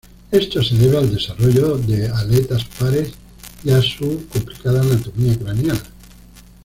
Esto se debe al desarrollo de aletas pares, y a su complicada anatomía craneal.